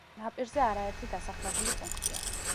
ნაპირზე არაერთი დასახლებული პუნქტია.